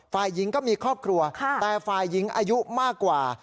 ฝ่ายหญิงก็มีครอบครัวแต่ฝ่ายหญิงอายุมากกว่า